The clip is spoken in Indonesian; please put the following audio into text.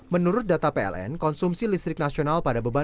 menurut data pln konsumsi listrik nasional pada beban